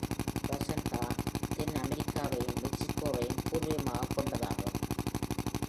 "Piranhea" தென் அமெரிக்காவையும் மெக்சிகோவையும் பூர்வீகமாகக் கொண்டதாகும்.